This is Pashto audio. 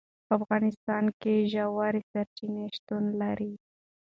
په افغانستان کې ژورې سرچینې شتون لري.